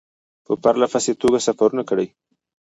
په پرله پسې توګه سفرونه کړي.